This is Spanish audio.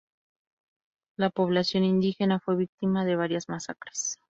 La población indígena fue víctima de varias masacres.